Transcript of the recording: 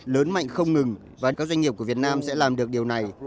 lớn mạnh không ngừng và các doanh nghiệp của việt nam sẽ làm được điều này